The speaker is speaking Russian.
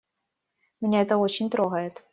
Меня это очень трогает.